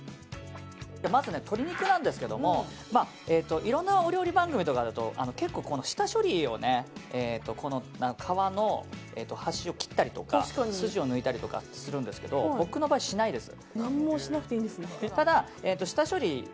まず鶏肉なんですけどいろんなお料理番組とかだと結構、下処理を、皮の端を切ったりとか筋を抜いたりとかするんですけど僕の場合しないです。